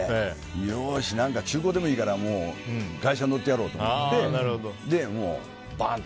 よし、中古でもいいから外車に乗ってやろうと思ってバンと。